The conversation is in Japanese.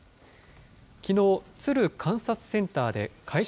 きのう、ツル観察センターで開所